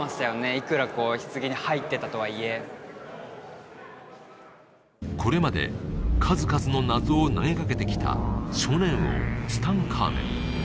いくら棺に入ってたとはいえこれまで数々の謎を投げかけてきた少年王ツタンカーメン